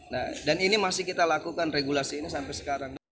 nah dan ini masih kita lakukan regulasi ini sampai sekarang